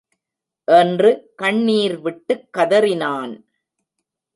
என்று கண்ணிர்விட்டுக் கதறினான்.